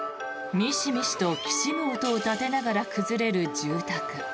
ミシミシときしむ音を立てながら崩れる住宅。